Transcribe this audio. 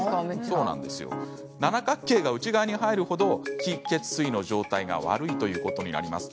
七角形が内側に入るほど気・血・水の状態が悪いということになります。